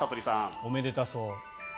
おめでたそう。